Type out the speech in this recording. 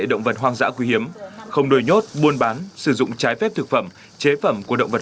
động vật hoang dã quý hiếm không đôi nhốt buôn bán sử dụng trái phép thực phẩm chế phẩm của động vật